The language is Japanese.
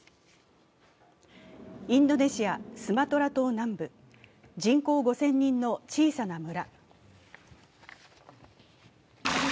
インドネシア・スマトラ島南部、人口５０００人の小さな村。